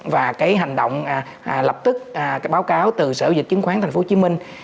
và cái hành động lập tức báo cáo từ sở dịch chứng khoán tp hcm